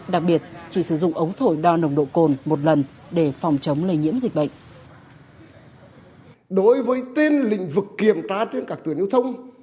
đặc biệt chỉ sử dụng ống thổi đo nồng độ cồn một lần để phòng chống lây nhiễm dịch bệnh